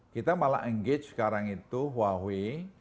kita malah engage sekarang itu huawei